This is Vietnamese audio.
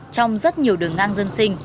trong rất nhiều đường ngang dân sinh